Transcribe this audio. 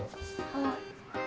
はい。